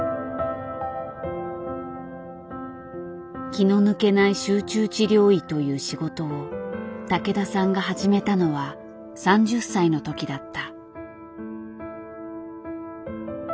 気の抜けない集中治療医という仕事を竹田さんが始めたのは３０歳の時だった。